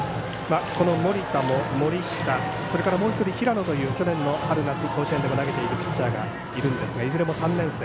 この森田も森下それからもう１人、平野のという去年の春夏甲子園でも投げているピッチャーがいるんですがいずれも３年生。